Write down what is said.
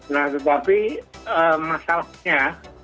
nah tetapi masalahnya